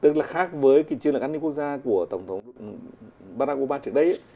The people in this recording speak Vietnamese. các với cái chiến lược an ninh quốc gia của tổng thống barack obama trước đây